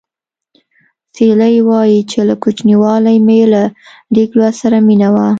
سیلۍ وايي چې له کوچنیوالي مې له لیک لوست سره مینه وه